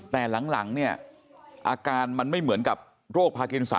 แต่หลังเนี่ยอาการมันไม่เหมือนกับโรคพากินสา